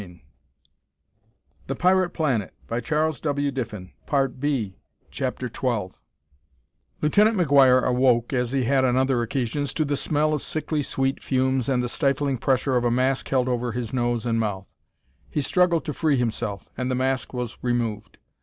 "Wait there," said Colonel Boynton; "I'll be right down " CHAPTER XII Lieutenant McGuire awoke, as he had on other occasions, to the smell of sickly sweet fumes and the stifling pressure of a mask held over his nose and mouth. He struggled to free himself, and the mask was removed.